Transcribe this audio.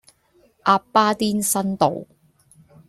鴨巴甸新道